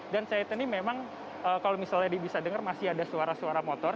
dan saya teni memang kalau misalnya bisa dengar masih ada suara suara motor